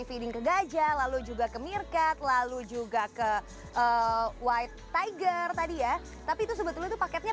feeding ke gajah lalu juga ke mirkat lalu juga ke white tiger tadi ya tapi itu sebetulnya itu paketnya